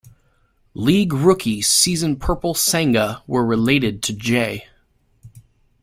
League rookie season Purple Sanga were relegated to J.